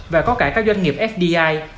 và có cả các doanh nghiệp fdi